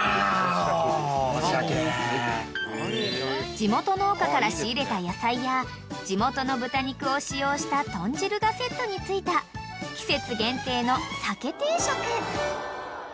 ［地元農家から仕入れた野菜や地元の豚肉を使用した豚汁がセットに付いた季節限定の］